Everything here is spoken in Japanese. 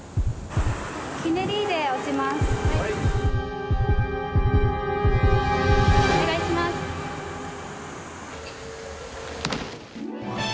ひねりで落ちます。